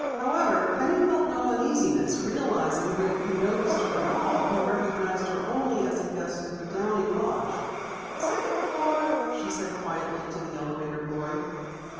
However, Penny felt no uneasiness, realizing that if he noticed her at all he recognized her only as a guest at the Downey lodge. "Second floor," she said quietly to the elevator boy.